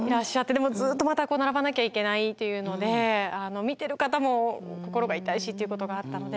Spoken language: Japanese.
でもずっとまた並ばなきゃいけないというので見てる方も心が痛いしということがあったので。